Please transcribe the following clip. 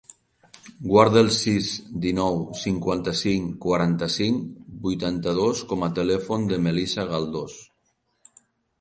Guarda el sis, dinou, cinquanta-cinc, quaranta-cinc, vuitanta-dos com a telèfon de la Melissa Galdos.